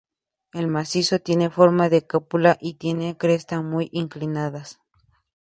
El macizo tiene forma de cúpula y tiene crestas muy inclinadas.